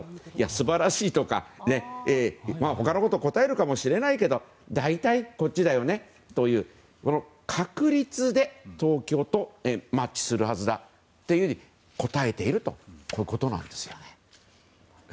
素晴らしいとか、他のことを答えるかもしれないけど大体こっちだよねという確率で東京とマッチするはずだって答えているということなんです。